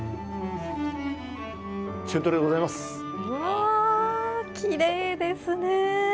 わー、きれいですね。